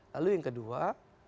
lalu yang kedua